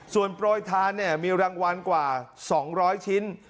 ส่วนโปรยทานมีรางวัลกว่า๒๐๐ชิ้น